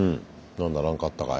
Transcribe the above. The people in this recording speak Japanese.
何だ何かあったかい？